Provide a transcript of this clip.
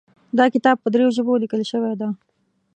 دا کتاب په دریو ژبو لیکل شوی ده